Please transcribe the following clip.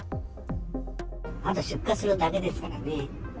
あとは出荷するだけですからね。